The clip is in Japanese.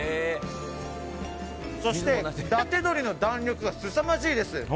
そして伊達鶏の弾力がすさまじいです。